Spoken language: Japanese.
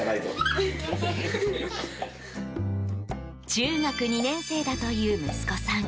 中学２年生だという息子さん。